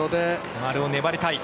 丸尾、粘りたい。